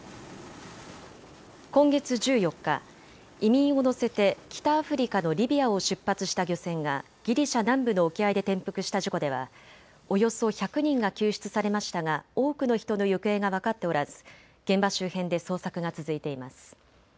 今月１４日、移民を乗せて北アフリカのリビアを出発した漁船がギリシャ南部の沖合で転覆した事故ではおよそ１００人が救出されましたが多くの人の行方が分かっておらず現場周辺で捜索が続いています。